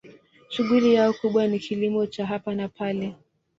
Shughuli yao kubwa ni kilimo cha hapa na pale.